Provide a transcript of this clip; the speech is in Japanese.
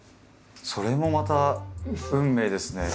それもまた運命ですね。